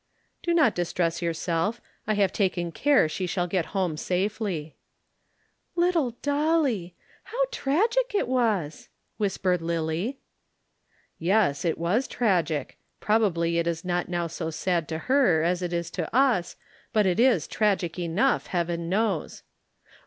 "Do not distress yourself. I have taken care she shall get home safely." "Little Dolly! how tragic it was!" whispered Lillie. "Yes, it was tragic. Probably it is not now so sad to her as it is to us, but it is tragic enough, heaven knows.